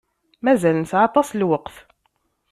Mazal nesεa aṭas n lweqt.